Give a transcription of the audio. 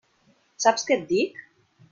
Saps què et dic?